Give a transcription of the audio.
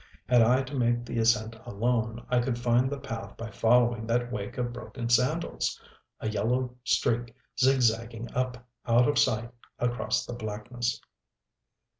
Had I to make the ascent alone, I could find the path by following that wake of broken sandals, a yellow streak zigzagging up out of sight across the blackness.